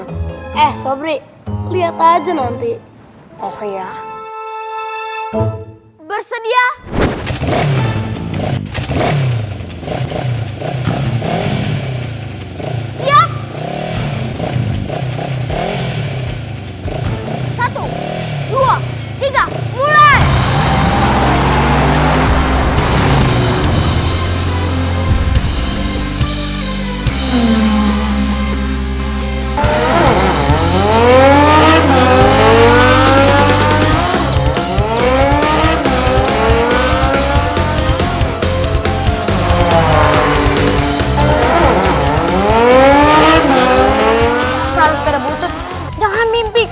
gila ini udah malem